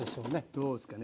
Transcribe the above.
どうっすかね？